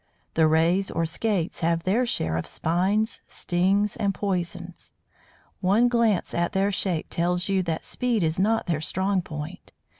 The Rays or Skates have their share of spines, stings, and poisons. One glance at their shape tells you that speed is not their strong point.